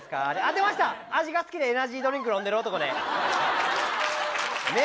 出ました、味が好きでエナジードリンク飲んでる男ですね。